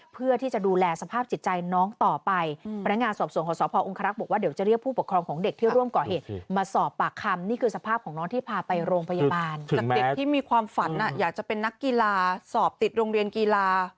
เพื่อที่จะดูแลสภาพจิตใจน้องต่อไปพนักงานสอบศวงของสออุงคลักษณ์บอกว่าเดี๋ยวจะเรียกผู้ปกครองของเด็กที่ร่วมก่อเหตุมาสอบปากคำนี่คือสภาพของน้องที่พาไปโรงพยาบาล